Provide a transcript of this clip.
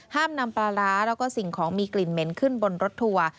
ห้ามนำปลาร้าแล้วก็สิ่งของมีกลิ่นเหม็นขึ้นบนรถทัวร์